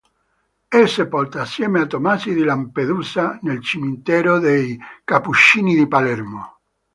È sepolta assieme a Tomasi di Lampedusa nel Cimitero dei Cappuccini di Palermo.